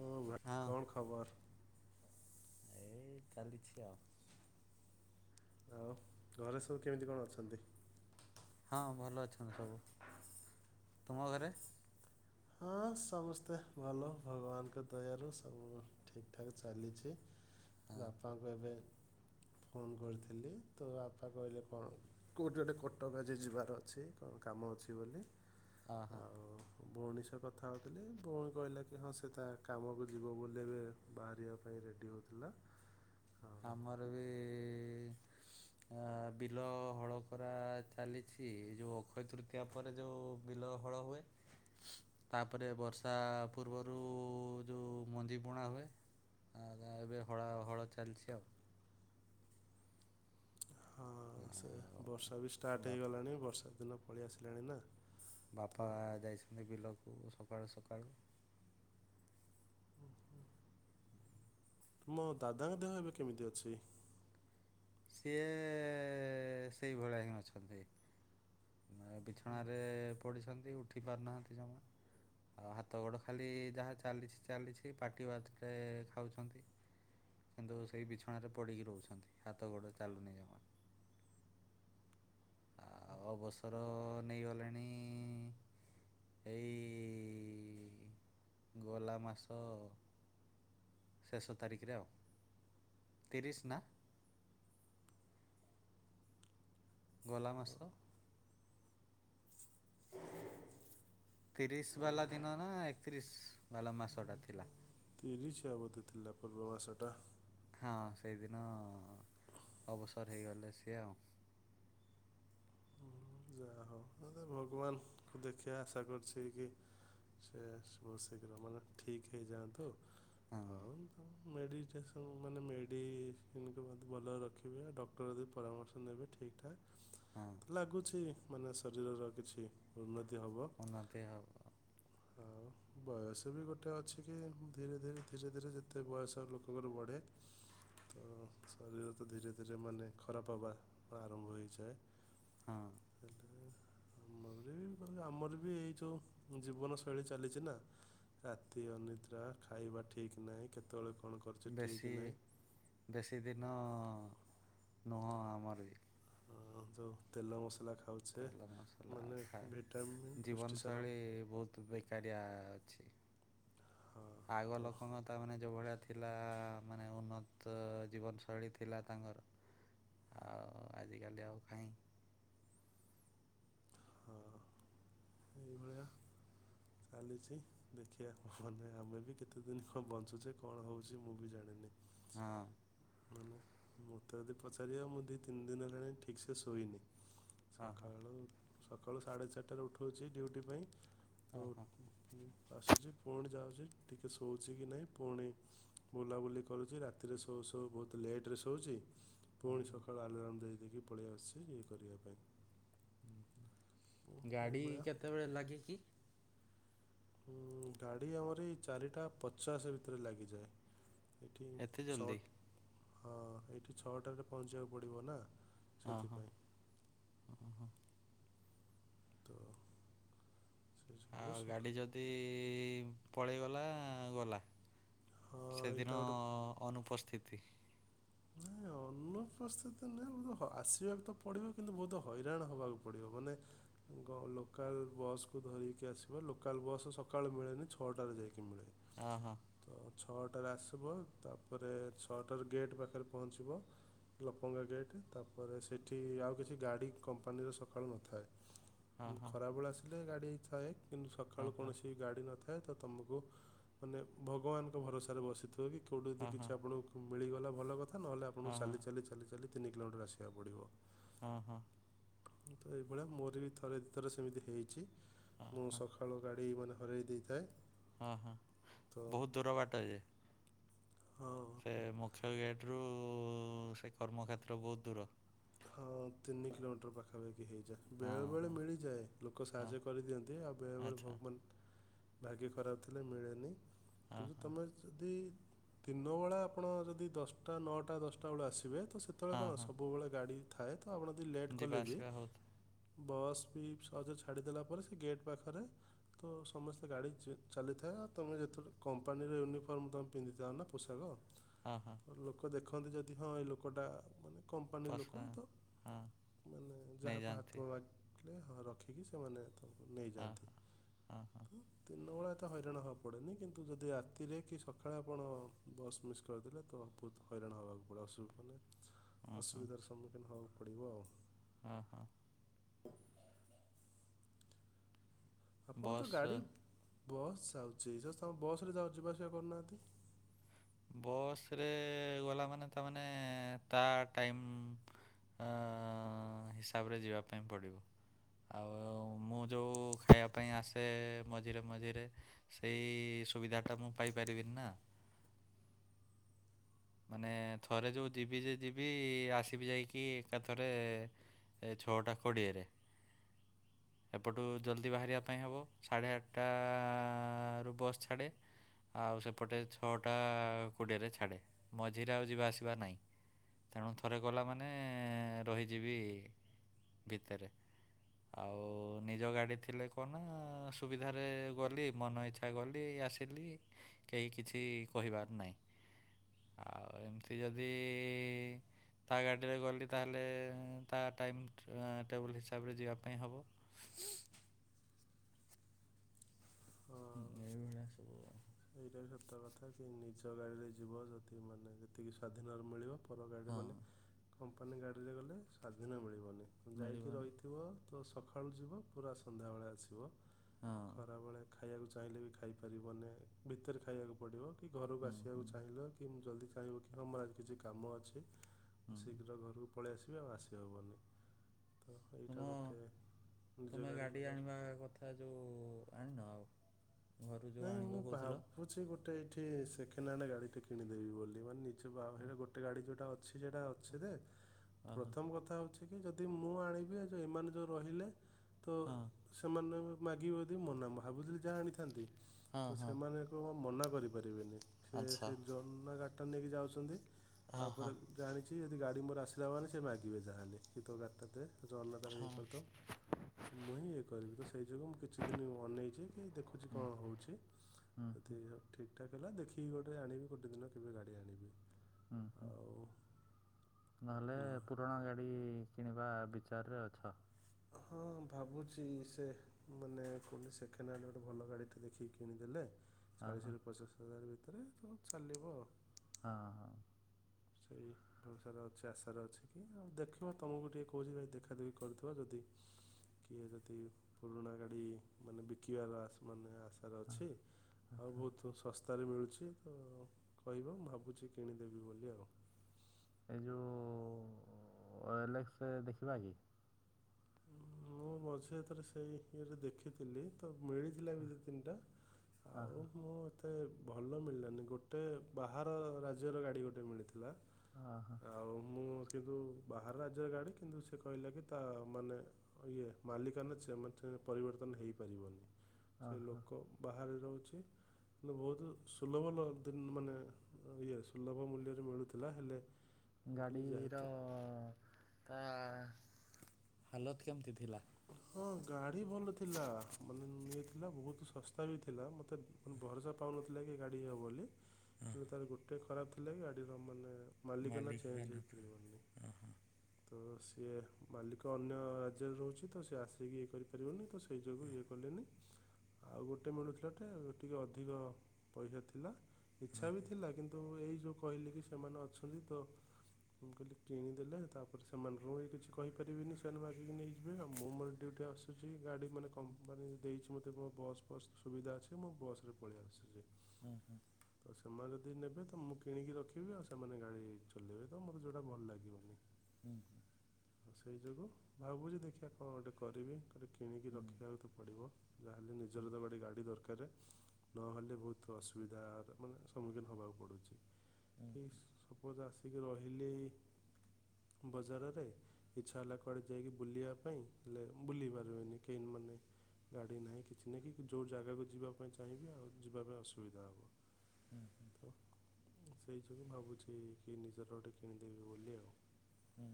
ଓମା ହଁ। କଣ ଖବର। ଏଇ ଚାଲିଛି ଆଉ। ଆଉ ଘରେ ସବୁ କେମିତି କଣ ଅଛନ୍ତି। ହଁ ଭଲ ଅଛନ୍ତି ସବୁ ତୁମ ଘରେ। ହଁ ସମସ୍ତେ ଭଲ ଭଗବାନଙ୍କ ଦୟାରୁ ସବୁ ଠିକ ଠାକ୍ ଚାଲିଛି। ହଁ ବାପାଙ୍କୁ ଏବେ। ଫୋନ୍ କରିଥିଲି ତ ବାପା କହିଲେ କଣ କୋଉଠି ଗୋଟେ କଟକ ଆଜି ଯିବାର ଅଛି କଣ କାମ ଅଛି ବୋଲି। ହ ହୋ। ଆଉ ଭଉଣୀ। କଥା ହଉଥିଲି ଭଉଣୀ କହିଲା କି ହଁ ସେ ତା କାମକୁ ଯିବ ବୋଲି ଏବେ ବାହାରିବା ପାଇଁ ରେଡି ହଉଥିଲା। ଆମର ବି ଅ ବିଲ ହଳ କରା ଚାଲିଛି ଯୋଉ ଅକ୍ଷୟ ତୃତୀୟା ପରେ ଯୋଉ ବିଲ ହଳ ହୁଏ ତାପରେ ବର୍ଷା ପୂର୍ବରୁ ଯୋଉ ମଞ୍ଜି ବୁଣା ହୁଏ ଆ ଏବେ ହ ହଳ ହଳ ଚାଲିଛି। ଆଉ ହଁ ସେ ଆଉ ବର୍ଷା ବି ଷ୍ଟାର୍ଟ ବା ହେଇଗଲାଣି ବର୍ଷା। ଦିନ ପଳେଇ ଆସିଲାଣି ନା। ତ ବାପା ଯାଇଛନ୍ତି ବିଲ। ସକାଳୁ ସକାଳୁ। ତୁମ ଦାଦାଙ୍କ ଦେହ ଏବେ କେମିତି ଅଛି। ସିଏ ସେଇ ଭଳିଆ ହିଁ ଅଛନ୍ତି ବିଛଣାରେ ପଡ଼ିଛନ୍ତି ଉଠି ପାରୁନାହାନ୍ତି ଜମା ଆଉ ହାତ ଗୋଡ଼ ଖାଲି ଯାହା ଚାଲିଛି ଚାଲିଛି ପାଟି ଭାତରେ ଖାଉଛନ୍ତି କିନ୍ତୁ ସେଇ ବିଛଣାରେ ପଡ଼ିକି ରହୁଛନ୍ତି ହା ହାତ ଗୋଡ଼ ଚାଲୁନି ଯମା। ଆଉ ଅବସର ନେଇଗଲେଣି ଏଇ ଗଲା ମାସ ଶେଷ ତାରିଖରେ ଆଉ ତିରିଶ ନା। ଗଲା ମାସ। ତିରିଶ ବାଲା ଦିନ ନା ଏକତିରିଶ ବାଲା ମାସ ଟା ଥିଲା। ତରିଶିଆ ବଧେ ଥିଲା ପୂର୍ବ ମାସଟା। ହଁ ସେଇଦିନ ଅବସର ହେଇଗଲେ ସିଏ ଆଉ। ସ ଭଗବାନଙ୍କୁ ଦେଖିବା ଆଶା କରୁଛି କି ସେ [unintelligible] ଶୀଘ୍ର ମାନେ ଠିକ୍ ହେଇ ଯାଆନ୍ତୁ। ହଁ ହଉ। ମେଡ଼ିଟେସନ୍ ମାନେ ମେଡ଼ିସିନ ମତେ ଭଲ ରଖିବେ ଡକ୍ଟର ଯଦି ପରାମର୍ଶ ନେବେ ଠିକଠାକ୍। ହଁ। ଲାଗୁଛି। ମାନେ ଶରୀରର। କିଛି ଉନ୍ନତି। ହେବ ଓତି ହେବ। ଆଉ ବୟସ ବି ଗୋଟେ ଅଛି କି ଧୀରେ ଧୀରେ ଧୀରେ ଧୀରେ ଯେତେ ବୟସ ଲୋକଙ୍କର ବଢ଼େ ତ ଶରୀର ତ ଧୀରେ ଧୀରେ ମାନେ ଖରାପ ହେବା ଆରମ୍ଭ ହୋଇଇଯାଏ। ହଁ ଆଲ। ଆମର ବି ଆମର ବି ଏଇ ଯୋଉ ଜୀବନ ଚାଲିଛି ନା ରାତି ଅନିଦ୍ରା ଖାଇବା ଠିକ ନାହିଁ କେତେବେଳେ କ'ଣ କରୁଛେ ଠିକ୍ ବେଶୀ ନାହିଁ ବେଶୀ ଦିନ ନ ଆମର ଯେଉଁ ତେଲ ମସଲା ଖ ତେଲ ମସଲା ଖା ଜୀବନ ପୁଷ୍ଟିସାର ଶୈଳୀ ବହୁତ ବେକାରିଆ। ଛିି। ହଁ ତ ଆଗ ଲୋକଙ୍କ ତ ମାନେ ଯୋଉ ଭଳିଆ ଥିଲା ମାନେ ଉନ୍ନତ ଜୀବନ ଶୈଳୀ ଥିଲା ତାଙ୍କର ଆଉ ଆଜିକାଲି ଆଉ କାହିଁ। ହଁ। ଏଇଭଳିଆ ଚାଲିଛି ଦେଖିବାକୁ ମନେ ଆମେ ବି କେତେ ଦିନ କଣ ବଞ୍ଚୁଛେ କଣ ହଉଛି ମୁଁ ବି ଜାଣିନି। ହଁ। ମାନେ ମୋତେ ଯଦି ପଚାରିବା ମୁଁ ଦୁଇ ତିନି ଦିନ ହେଲାଣି ଠିକ୍ ସେେ ଶୋଇନି। ହଁ ହଁ ସକାଳୁ। ସକାଳୁ ସା଼େଡେ ଚାରିଟାରେ ଉଠୁ। ହେଉଛି ଡ୍ୟୁଟି ପାଇଁ। ହଁ ହଁ ତ ଆସୁଛି ପୁଣି ଯାଉଛି। ଟିକେ ଶୋଉଛି କି ନାହିଁ ପୁଣି ବୁଲାବୁଲି କରୁଛି ରାତିରେ ଶୋଉ ସଉ ବହୁତ ଲେଟରେ ଶୋଉଛି ହଁ ପୁଣି ହଁ ସକାଳୁ ଆଲାର୍ମ ଦେଇଦକି ପଳେଇ ଆସୁଛି ଇଏ କରିବା ପାଇଁ। ଉଁ, ଗାଡି ଏଇଭଳିଆ କେତେବେଳେ ଲାଗେ କି? ଗାଡ଼ି ଆମର ଏଇ ଚାରିଟା ପଚାଶ ଭିତରେ ଲାଗିଯାଏ। ଏଇଠ ଏତେ ଜଲ୍ଦି ଶର୍ଟ ଏ। ଠି ଛଅଟାରେ ପହଞ୍ଚିବାକୁ ପଡ଼ିବ ନା। ହଁ ହଁ ସେଥିପାଇଁ ହ ହଁ। ତୋ। ଆଉ ଗାଡି ଯଦି ପଳେଇଗଲା ଗଲା। ହଁ ଏଇଟା ସେଦିନ ଅନୁପସ୍ଥିତ ସ୍ଥିତି। ଅନୁପସ୍ଥିତି ନୁହେଁ। ଆସିବାକୁ ତ ପଡିବ, କିନ୍ତୁ ବହୁତ ହଇରାଣ ହବାକୁ ପଡିବ‌। ମାନେ ଲୋକାଲ ବସ୍କୁ ଧରିକି ଆସିବା। ଲୋକାଲ ବସ୍ ସକାଳୁ ମିଳେନି ଛଅଟାରେ ଯାଇକି। ହଁ ହଁ ଛଅଟା ରାତି ତାପରେ ଛଅଟର ଗେଟ୍ ପାଖ। ପାଖରେ ପହଞ୍ଚିବ। ଲପଙ୍ଗା ଗେଟ୍ ତାପରେ, ସେଇଠି ଆଉ କିଛି ଗାଡ଼ି କମ୍ପାନୀର ସକାଳୁ ନଥାଏ। ହଁ ମୁଁ ହଁ ଖରାବେେଳେ ଆସିଲେ ଗାଡି ଥାଏ କିନ୍ତୁ, ସକାଳୁ ହଁ କୌଣସି ଗାଡି ନଥାଏ ତ ତମକୁ। ମାନେ ଭଗବାନଙ୍କ ଭରସାରେ ବସିଥା। କୋଉଠି ଯଦି ହଁ ହଁ କିଛି ଆପଣଙ୍କୁ ମିଳିଗଲା। [unintelligible] ନହେଲେ ଆପଣଙ୍କୁ ହଁ ଚାଲି ହଁ ଚାଲି ଚାଲି ଚାଲି ତିନି କିଲୋମିଟର ଆସିବାକୁ ପଡ଼ିବ। ହଁ ହଁ। ତ ଏଇଭଳିଆ ମୋର ବି ଥରେ ଦୁଇଥର ସେମିତି ହେଇଛି। ମୁଁ ହଁ ସକାଳୁ ଗାଡ଼ି ମାନେ ହରେଇ ଦେଇଥାଏ ହଁ ହଁ ତ ବହୁତ ଦୂର ବାଟ ଯେ। ହଁ ସେ ମୁଖ୍ୟ ଗେଟ୍ ରୁ ସେ କର୍ମକ୍ଷେତ୍ର ବହୁତ ଦୂର। ହଁ ତିନି କିଲୋମିଟର ପାଖାପା ହେଇଯା ବେଳେ ହଁ ବେଳେ ହଁ ମିଳିଯାଏ, ଲୋକ ହଁ ସାହାଯ୍ୟ କରିଦିଅନ୍ତି ଆଉ ବେଳେ ବଳେ ଭ ଆଚ୍ଛା ମାନେ ଭାଗ୍ୟ ଖରାପ ଥିଲେ ମିଳେନି। ହଁ କିନ୍ତୁ ହଁ ତମେ ଯଦି ଦିନବେଳା ଆପଣ ଯଦି ଦଶଟା ନଅଟା ଦଶଟା ବେଳୁ ଆସିବେ। ତ ସେତେବେଳେ ହଁ କଣ ହଁ ସବୁବେଳେ ଗାଡ଼ି ଥାଏ ତ ଆପଣ ଯଦି ଲେଟ୍ ଯିବା କଲେ ବି ଆସିବା ହଉଥା ବସ୍ ବି ସହଜ ଛାଡ଼ିଦେଲା ପରେ ସେ ଗେଟ୍ ପାଖରେ ତ ସମସ୍ତେ ଗାଡ଼ି ଚ ଚାଲିଥାଏ ତମେ ଯେତେବେଳେ କମ୍ପାନୀର ୟୁନିଫର୍ମ ତମେ ପିନ୍ଧିଥାଅ ନା ପୋଷାକ। ହଁ ହଁ ଲୋକ ଦେ ଦେଖନ୍ତୁ ଯଦି ହଁ ଏଇ ଲୋକଟା ମାନେ କମ୍ପାନୀ ପସ ଲୋକ ବନ୍ତ ହଁ ମାନେ ଯାହାକୁ ନେଇଯାଆନ୍ତି ହାତ ମା ହଁ ରଖିକି ସେମାନେ ତମକୁ ହଁ ନେଇଯାଆନ୍ତି ହଁ ହଁ ହଁ ତ ଦିନ ବେଳା ତ ହଇରାଣ ହେବାକୁ ପଡ଼େନି କିନ୍ତୁ ଯଦି ରାତିରେ କି ସକାଳେ ଆପଣ ବସ୍ ମିସ୍ କରିଦେଲେ ତ ବହୁତ ହଇରାଣ ହେବାକୁ ପଡ଼େ ଅସୁ ମାନେ ହଁ ଅସୁବିଧା ହଇରାଣ ହବାକୁ ପଡ଼ିବ ଆଉ। ହଁ ହଁ ଆପଣ ତ ବସ୍ ଗାଡ଼ି ବସ୍ ଯାଉଛି [inaudible] ବସରେ ଯାଉ ଯିବା ଆସିବା କରୁନାହାନ୍ତି। ବସ୍ରେ ଗଲା ମାନେ ତାମାନେ ତା ଟାଇମ୍ ଆ ହିସାବରେ ଯିବା ପାଇଁ ପଡ଼ିବ ଆଉ ମୁଁ ଯୋଉଁ ଖାଇବା ପାଇଁ ଆସେ ମଝିରେ ମଝିରେ ସେଇ ସୁବିଧାଟା ମୁଁ ପାଇପାରିବିନି ନା। ମାନେ ଥରେ ଯେଉଁ ଯିବି ଯେ ଯିବି ଆସିବି ଯାଇକି ଏକାଥରେ ଛଅଟା କୋଡ଼ିଏରେ ଏପଟୁ ଜଲ୍ଦି ବାହାରିବା ପାଇଁ ହେବ ସାଢ଼େ ଆଠଟାଆରୁ ବସ୍ ଛାଡ଼େ ଆଉ ସେପଟେ ଛଅଟା କୋଡ଼ିଏରେ ଛାଡ଼େ। ମଝିରେ ଆଉ ଯିବା ଆସିବା ନାହିଁ ତେଣୁ ଥରେ ଗଲା ମାନେ ରହିଯିବି ଭିତରେ ଆଉ ନିଜ ଗାଡ଼ି ଥିଲେ କଣ ନା ସୁବିଧାରେ ଗଲି ମନ ଇଚ୍ଛା ଗଲି ଆସିଲି କେହି କିଛି କହିବାର ନାହିଁ। ଆଉ ଏମିତି ଯଦି ତା ଗାଡ଼ିରେ ଗଲି ତାହେଲେ ତା ଟାଇମ୍ ଟେବୁଲ ହିସାବରେ ଯିବା ପାଇଁ ହେବ। ହଁ ଏବେଳିଆ ସୁ ଗତ କଥା କି ନିଜ ଗାଡ଼ିରେ ଯିବ ଯଦି ମାନେ ଯେତିକି ସ୍ଵାଧୀନରେ ମିଳିବ। କର ଗରେ ହଁ ମାନେ କମ୍ପାନୀ ଗାଡ଼ିରେ ଗଲେ ସ୍ୱାଧୀନ ମିଳିବନି। ଯାଇକି ମିଳିବନି ରହିଥିବ ତ ସକାଳୁ ଯିବ ପୁରା ସନ୍ଧ୍ୟାବେଳେ ଆସିବ। ହଁ ଖରାବେଳେ ଖାଇବାକୁ ଚାହିଁଲେ ବି ଖାଇପାରିବନେ ଭିତରେ ଖାଇବାକୁ ପଡ଼ିବ। କି ଘରକୁ ହୁଁ ଆସିବାକୁ ହୁଁ ଚାହିଁ କି ମୁଁ ଜଲଦି କାହିଁକି କି ଆମର ଆଜି କିଛି କାମ ଅଛି। ହୁଁ ଶୀଘ୍ର ଘରୁ ପଳେଇ ଆସିବି ଆଉ ଆସିବାକୁ ପଡ଼ନି। ତୁମ ତୁମେ ଗାଡ଼ି ଗାଡି ନେବାର ଆଣିବା କଥା ଯୋଉ ଆ ନଅ। ନାଇଁ ମୁଁ ଭାବୁଛି ଗୋଟେ ଏଇଠି ସେ ନା ଗାଡି ଟା କିଣିଦେବି ବୋଲି ମାନେ ନିଜଟ ଗୋଟେ ଗାଡି ଯୋଉଟା ଅଛି ସେଟା ଅଛେ। ଓହୋ ପ୍ରଥମ କଥା ହଉଛି ଟିକେ ଯଦି ମୁଁ ଆଣିବି ଯେଉ ଏମାନେ ଯେଉଁ ରହିଲେ। ତ ହଁ ସମନ୍ୱୟ। ମାଗିବଦ ମନା ଭାବୁଥିଲି ଯାହା ଆଣିଥାନ୍ତି। ହଁ ତ ହଁ ସେମାନ କ ମନା କରିପାରିବେନି। ସେ ସେ ଆଚ୍ଛା ଜନା କାଟ। ହଟନ୍ ନେଇକି ଯାଉଛନ୍ତି। ହଁ ତାପରେ ହଁ ଜାଣିଛି ଯଦି ଗାଡି ମୋର। ଆସିଲା ମାନେ ସେ ମାଗିବ ଯା ହେଲେ କି ତ ଗାଡିଟା ଦେ। ଜନ ତାର ହଁ ବିପରିତ ମୁଁ ଇଏ କରିନି ସେଇ ଯୋଗୁଁ ମୁଁ କିଛି ଦିନ ଅନେଇଛି ଦେଖୁଛି କଣ ହେଉଛି। ହୁଁ। ଯଦି ଠିକ୍ ଠାକ୍ ହେଲା ଦେଖିକି ଗୋଟେ ଆଣି ଗଟେ ଦିନ କେବେ ଗାଡି ଆଣିବି। ହୁଁ ହୁଁ ଆଉ ନହେଲେ ପୁରଣା ଗାଡି କିଣିବା ବିଚାରରେ ଅଛ। ହଁ ଭାବୁଛି ସେ ମାନେ କହିଲି ସେଖେଣ୍ଡ୍ ଆଣ୍ଡ୍ ଗୋଟେ ଭଲ ଗାଡ଼ିଟେ ଦେଖିକି କିଣିଦେଲେ ହଁ ହଁ ଚାଳିଶ ରୁ ପସଶ୍ ହଜାର୍। ରେ ସବୁ ଚାଲିବ ଆଉ। ହଁ ହଁ। ସେଇ ଭରସାର ଅଛି ଆଶାର ଅଛି କି ଆଉ ଦେଖିବ ତମକୁ ଟିକେ କହୁଛି ଭାଇ ଦେଖାଦେଖି କରୁଥିବ ଯଦି କିଏ ଯଦି ପୁରୁଣା ଗାଡି ମାନେ ବିକିବାର ମାନେ ଆଶାର ହଁ ଅଛି ଆଉ ଆଚ୍ଛା ବହୁତ ସସ୍ ସ୍ତାରେ ମିଳୁଛି ତ କହିବ ମୁଁ ଭାବୁଛି କିଣିଦେବି ବୋଲି ଆଉ। ଏଇ ଯୋଉ ଓ ଏଲ୍ ଏକ୍ସ୍ ଦେଖିବା କି। ମୁଁ ମଝିଥରେ ସେଇ ଇଏରେ ଦେଖିଥିଲି ତ ମିଳିଥିଲା ବି ଦି ତିନିଟା ହଁ ଆଉ ହଁ ମୁଁ ମତେ ଭଲ ମିଳିଲାନି। ଗୋଟେ ବାହାର ରାଜ୍ୟର ଗାଡ଼ି ଗୋଟେ ମିଳିଥିଲା। ହଁ ଆଉ ମୁଁ କିନ୍ତୁ ବାହାର ରାଜ୍ୟରେ ଗାଡି କିନ୍ତୁ ସେ କହିଲା କି ତା ମାନେ ଇଏ ମାଲିକାନଚ ମ ପରିବର୍ତ୍ତନ ହେଇପାରିବନି। ହଁ ସେ ହଁ ଲୋକ ବାହାରେ ରହୁଛି ବହୁତ ସୁଲଭଲ ମାନେ ଇଏ ସୁଲଭ ମୂଲ୍ୟରେ ମିଳୁଥିଲା ହେଲେ ମୁଁ କହିଲି ଗାଡିରଅ। ଯେହେତୁ ତା ହାଲତ କେମିତି ଥିଲା। ହଁ ଗାଡ଼ି ଭଲ ଥିଲା। ମାନେ ଇଏ ଥିଲା ବହୁତ ଶସ୍ତା ବି ଥିଲା। ମୋତେ ମାନେ ଭରସା ପାଉନଥିଲା କି ଗାଡ଼ି ହେବ ବୋଲି। ମୋର ତ ଆଉ ଗୋଟେ। ଖରାପ ଥିଲା କି ଗାଡ଼ି ଭଲ ମାଲିକ ନା ଚେଞ୍ଜ ମାଲିକାନା ଥିଲା। ହେଇପାରିବନି। ତ ସିଏ ମାଲିକ ଅନ୍ୟ ରାଜ୍ୟରେ ରହୁଛି ତ ସେ ସେ ଆସିକି ଇଏ କରିପାରିବନି ତ ସେଇ ଯୋଗୁଁ ଇଏ କଲେନି। ଆଉ ଗୋଟେ ମିଳୁଥିଲା ଟେ ଟିକେ ଅଧିକ ପଇସା ଥିଲା ଇଚ୍ଛା ବି ଥିଲା କିନ୍ତୁ ଏଇ ଯେଉଁ କହିଲି କି ସେମାନେ ଅଛନ୍ତି। ତ ମୁଁ କହିଲି କିଣିଦେଲେ ତାପରେ ସେମାନଙ୍କୁ ବି କିଛି କହିପାରିବେିନି। ସେମାନେ ମଗିକି ନେଇଯିବେ ଆଉ। ମୁଁ ମୋର ଡିୟୁଟି ଆସୁଛି ଗାଡ଼ି ମାନେ କମ୍ପାନୀ ଦେଇଛି। ମୋତେ ମୋ ବସ୍ ଫସ୍ ସୁବିଧା ଅଛି ମୁଁ ବସ୍ ରେ ପଳେଇ ଆସୁଛି। ହୁଁ ହୁଁ ତ ସେମାନେ ଯଦି ନେବେ ତ ମୁଁ କିଣିକି ରଖିବି। ଆଉ ସେମାନେ ଗାଡି ଚଲେଇବେ ତ ମୋତେ ଯୋଉଟା ଭଲ ଲାଗିବନି। ହୁଁ। [inaudible] ଆଉ ସେଇ ଯୋଗୁ ଭାବୁଚି ଦେଖିବା। ହଁ ଗୋଟେ କରିବି। ଗୋଟେ କିଣିକି ହୁଁ ରଖିବାକୁ ତ ପଡ଼ିବ। ଯାହାହେଲେ ହୁଁ ନିଜର ତ ଗଟେ ଗାଡ଼ି ଦରକାର ନହେଲେ ବହୁତ ଅସୁବିଧାର ମାନେ ସମ୍ମୁଖୀନ ହେବାକୁ ପଡ଼ୁଛି। ହୁଁ କି ସପୋଜ ଆସ ଟିକେ ରହିଲି ବଜାରରେ ଇଛା ହେଲା କୁଆଡ଼େ ଯାଇକି ବୁଲିବା ପାଇଁ ହେଲେ ବୁଲି ପାରିବେନି କେହି ମାନେ ଗାଡ଼ି ନାହିଁ କିଛି ନାହିଁ କି ଯୋଉ ଜାଗାକୁ ଯିବା ପାଇଁ ଚାହିଁବି ଆଉ ଯିବା ପାଇଁ ଅସୁବିଧା ହବ ତ ସେଇ ଯୋଗୁଁ ଭାବୁଛି କି ନିଜର ଗୋଟେ କିଣିଦେବେି ବୋଲି ଆଉ। ହୁଁ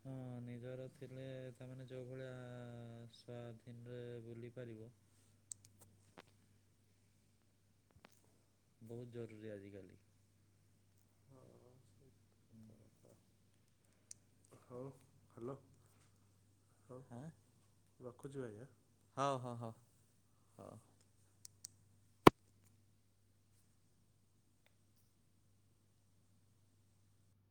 ହୁଁ ନିଜର ଥିଲେ ତାମାନେ ଯେଉଁ ଭଳିଆ ସ୍ଵାଧୀନରେ ବୁଲି ପାରିବ। ବହୁତ ଜରୁରୀ ଆଜିିକାଲି। ହୁଁ। [inaudible] ହଉ ହ୍ୟାଲୋ। ହଉ ହଁ ରଖୁଚି ଭାଇ। ହଉ ହଉ ହଉ ହଉ।